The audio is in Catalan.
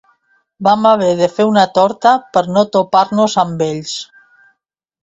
Vam haver de fer una torta per no topar-nos amb ells.